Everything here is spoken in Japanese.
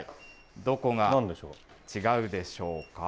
どこが違うでしょうか？